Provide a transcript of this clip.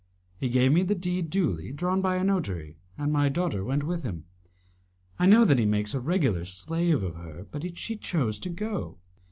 He gave me the deed duly drawn by a notary, and my daughter went with him. I know that he makes a regular slave of her, but she chose to go.